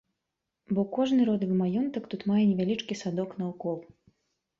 Бо кожны родавы маёнтак тут мае невялічкі садок наўкол.